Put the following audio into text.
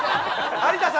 和田さん。